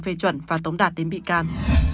phê chuẩn và tống đạt đến bị can